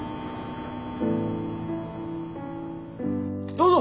どうぞ！